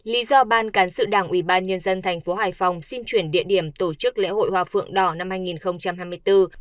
lý do ban cán sự đảng ủy ban nhân dân thành phố hải phòng xin chuyển địa điểm tổ chức lễ hội hoa phượng đỏ năm hai nghìn hai mươi bốn